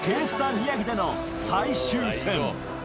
宮城での最終戦。